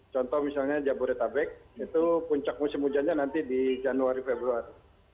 contoh misalnya jabodetabek itu puncak musim hujannya nanti di januari februari